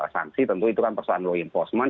sanksi tentu itu kan persoalan law enforcement